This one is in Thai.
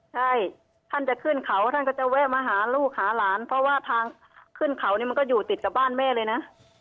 ใช่ท่านจะขึ้นเขาท่านก็จะแวะมาหาลูกหาหลานเพราะว่าทางขึ้นเขาเนี่ยมันก็อยู่ติดกับบ้านแม่เลยนะ